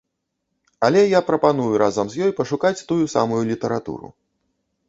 Але я прапаную разам з ёй пашукаць тую самую літаратуру.